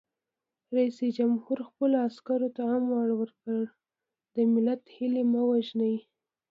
رئیس جمهور خپلو عسکرو ته امر وکړ؛ د ملت هیلې مه وژنئ!